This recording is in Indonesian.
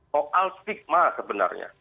soal stigma sebenarnya